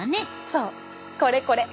そうこれこれ！